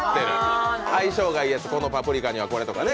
相性がいい、このパプリカにはこれとかね。